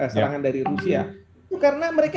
serangan dari rusia itu karena mereka